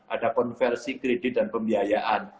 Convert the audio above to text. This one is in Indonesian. ada konversi kredit dan pembiayaan